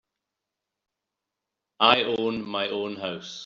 I own my own house.